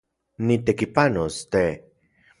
Nitekipanos, te